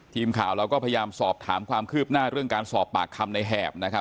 ทีมข่าวเราก็พยายามสอบถามความคืบหน้าเรื่องการสอบปากคำในแหบนะครับ